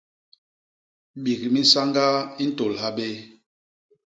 Bik minsañgaa i ntôl ha béé.